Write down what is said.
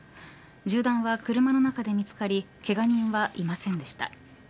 銃弾は車の中で見つかりけが人はいませんでした。